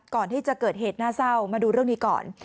ก่อนที่จะเกิดเหตุน่าเศร้ามาดูเรื่องนี้ก่อน